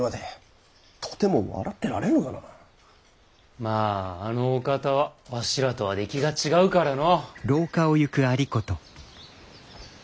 まぁあのお方はわしらとは出来が違うからの。